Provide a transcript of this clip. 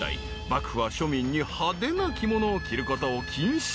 ［幕府は庶民に派手な着物を着ることを禁止］